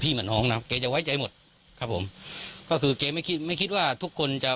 พี่แหมดงนักโอนอาวุธครับผมก็คือแกไม่คิดไม่คิดว่าทุกคนจะ